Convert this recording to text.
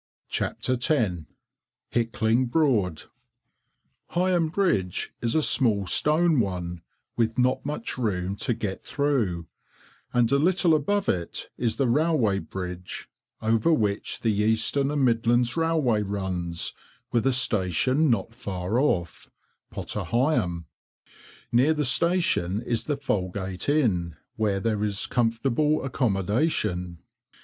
[Picture: Decorative drop capital] Heigham Bridge is a small stone one, with not much room to get through, and a little above it is the railway bridge, over which the Eastern and Midlands Railway runs, with a station not far off—Potter Heigham. Near the station is the "Falgate" Inn, where there is comfortable accommodation.